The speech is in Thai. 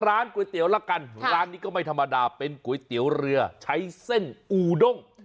ร้านก๋วยเตี๋ยวละกันร้านนี้ก็ไม่ธรรมดาเป็นก๋วยเตี๋ยวเรือใช้เส้นอูด้ง